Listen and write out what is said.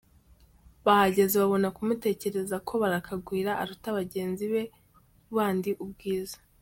Bahageze babona kumutekerereza ko Barakagwira aruta bagenzi be bandi ubwiza.